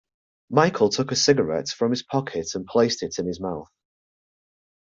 Michael took a cigarette from his pocket and placed it in his mouth.